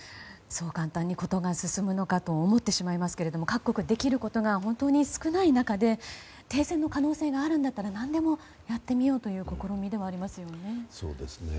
そう簡単に事が進むのかと思ってしまいますけど各国ができることが本当に少ない中で停戦の可能性があるんだったら何でもやってみようという試みではありますね。